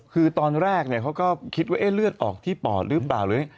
คือตอนแรกเขาก็คิดว่าเลือดออกที่ปอดหรือเปล่าหรือ